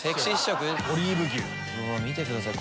見てください